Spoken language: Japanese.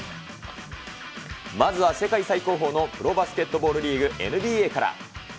まずは世界最高峰のプロバスケットボールリーグ、ＮＢＡから。